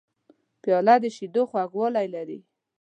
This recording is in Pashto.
پیاله د شیدو خوږوالی لري.